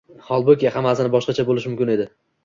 Holbuki, hammasi boshqacha bo‘lishi mumkin edi.